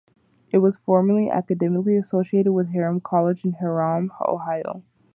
It was formerly academically associated with Hiram College in Hiram, Ohio.